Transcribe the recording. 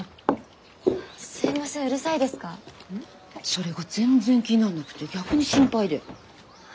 それが全然気にならなくて逆に心配だよ。